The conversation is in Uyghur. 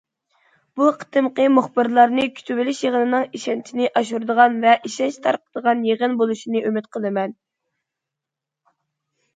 بۇ قېتىمقى مۇخبىرلارنى كۈتۈۋېلىش يىغىنىنىڭ ئىشەنچنى ئاشۇرىدىغان ۋە ئىشەنچ تارقىتىدىغان يىغىن بولۇشىنى ئۈمىد قىلىمەن.